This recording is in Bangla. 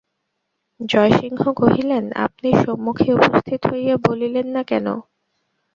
জয়সিংহ কহিলেন, আপনি সম্মুখে উপস্থিত হইয়া বলিলেন না কেন?